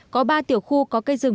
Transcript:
có ba tiểu khu có cây rừng